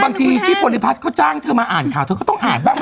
บางทีที่โพลิพัสเขาจ้างเธอมาอ่านข่าวเธอก็ต้องอ่านบ้าง